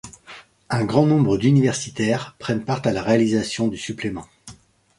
Un grand nombre d'universitaires prennent part à la réalisation du Supplément.